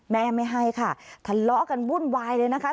แม่ไม่ให้ค่ะทะเลาะกันวุ่นวายเลยนะคะ